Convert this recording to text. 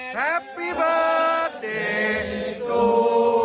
แฮปปี้เบิร์สเจทู